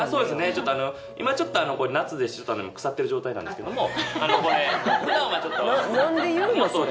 ちょっとあの今ちょっと夏で腐ってる状態なんですけどもこれ普段はちょっと。